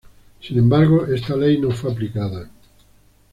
Sin embargo, esta ley no fue aplicada.